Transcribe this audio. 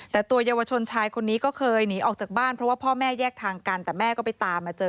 แต่ตัวเยาวชนชายคนนี้ก็เคยหนีออกจากบ้านเพราะว่าพ่อแม่แยกทางกันแต่แม่ก็ไปตามมาเจอ